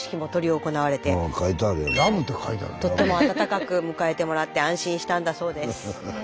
とっても温かく迎えてもらって安心したんだそうです。